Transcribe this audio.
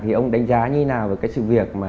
thì ông đánh giá như thế nào về sự việc